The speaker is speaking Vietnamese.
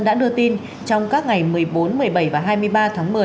đã đưa tin trong các ngày một mươi bốn một mươi bảy và hai mươi ba tháng một mươi